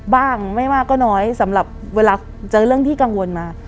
บ้างไม่มากก็น้อยสำหรับเวลาเจอเรื่องที่กังวลมา